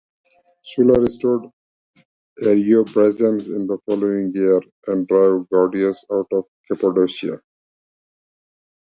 Sulla restored Ariobarzanes in the following year, and drove Gordius out of Cappadocia.